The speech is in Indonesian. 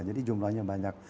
jadi jumlahnya banyak